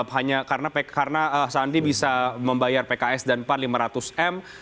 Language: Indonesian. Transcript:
hanya karena sandi bisa membayar pks dan pan lima ratus m